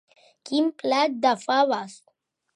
Quin plat de faves!